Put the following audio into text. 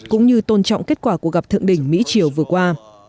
cũng như tôn trọng kết quả của gặp thượng đỉnh mỹ chiều vừa qua